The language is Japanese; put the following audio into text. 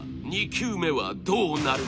２球目はどうなる？